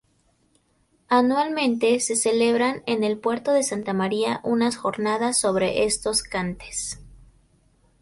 Anualmente se celebran en El Puerto de Santa María unas jornadas sobre estos cantes.